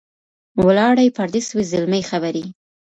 ولاړې پردۍ سوې زلمۍ خبري